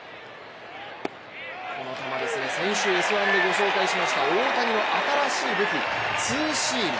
この球、先週「Ｓ☆１」でご紹介しました大谷の新しい武器、ツーシーム。